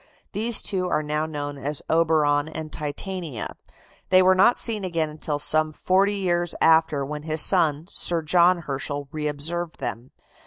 These two are now known as Oberon and Titania. They were not seen again till some forty years after, when his son, Sir John Herschel, reobserved them.